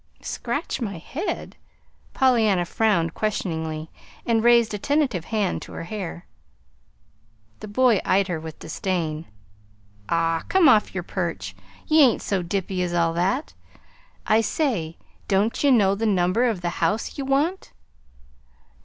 "Scratch my head?" Pollyanna frowned questioningly, and raised a tentative hand to her hair. The boy eyed her with disdain. "Aw, come off yer perch! Ye ain't so dippy as all that. I say, don't ye know the number of the house ye want?"